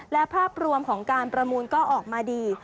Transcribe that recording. และภาพรวมของการประมูลก็ออกมาดี